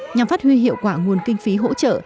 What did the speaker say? nhằm phát huy hiệu quả nguồn kinh phí hỗ trợ